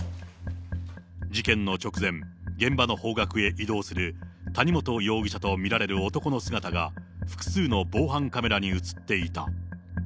事件の直前、現場の方角へ移動する谷本容疑者と見られる男の姿が、複数の防犯カメラに写っていた。